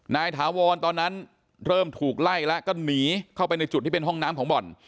ถาวรตอนนั้นเริ่มถูกไล่แล้วก็หนีเข้าไปในจุดที่เป็นห้องน้ำของบ่อน